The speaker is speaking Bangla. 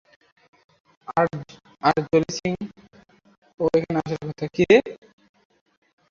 আর জোলি সিং ও এখানে আসার কথা।